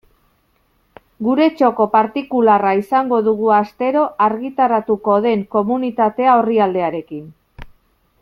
Gure txoko partikularra izango dugu astero argitaratuko den Komunitatea orrialdearekin.